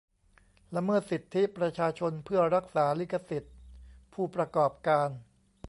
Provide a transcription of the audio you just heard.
ละเมิดสิทธิประชาชนเพื่อรักษาลิขสิทธิ์ผู้ประกอบการ